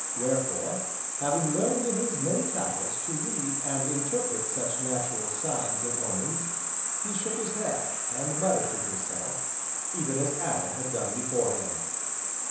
Wherefore, having learned in his many travels to read, and interpret such natural signs and omens, he shook his head, and muttered to himself even as Adam had done before him.